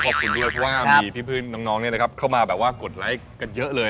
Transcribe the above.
ขอบคุณด้วยเพราะว่าพี่พลื้นน้องเข้ามากดไลก์กันเยอะเลย